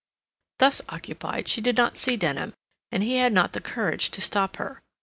Thus occupied, she did not see Denham, and he had not the courage to stop her.